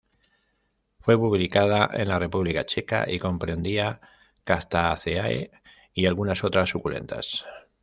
Fue publicada en la República Checa y comprendía "Cactaceae y algunas otras suculentas".